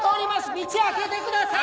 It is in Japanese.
道空けてください！